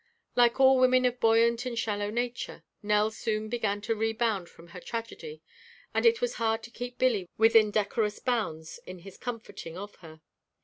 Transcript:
Like all women of buoyant and shallow nature, Nell soon began to rebound from her tragedy and it was hard to keep Billy within decorous bounds in his comforting of her.